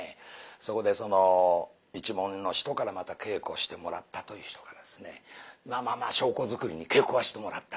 そこで一門の人からまた稽古してもらったという人がですねまあまあまあ証拠作りに稽古はしてもらったと。